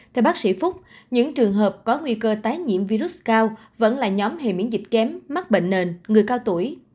theo bác sĩ phúc những trường hợp có nguy cơ tái nhiễm virus cao vẫn là nhóm hề miễn dịch kém mắc bệnh nền người cao tuổi